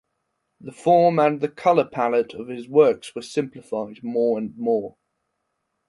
The form and the color palette of his works were simplified more and more.